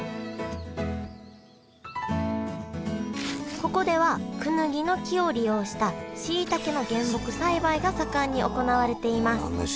ここではクヌギの木を利用したしいたけの原木栽培が盛んに行われています。